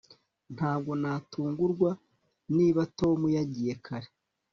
Ntabwo natungurwa niba Tom yagiye kare